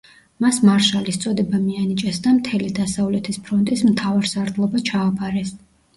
მას მარშალის წოდება მიანიჭეს და მთელი დასავლეთის ფრონტის მთავარსარდლობა ჩააბარეს.